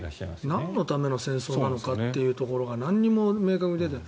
なんのための戦争なのかというところが何も明確に出ていない。